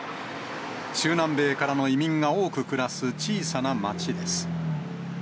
中南米からの移民が多く暮らす小さな町です。